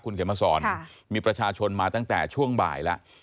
คุณเขมศรค่ะมีประชาชนมาตั้งแต่ช่วงบ่ายแล้ว